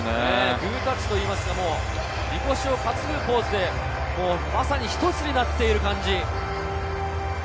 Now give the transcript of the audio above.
グータッチといいますか、みこしを担ぐポーズで、まさに一つになっている感じ。